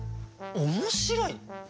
「面白い」？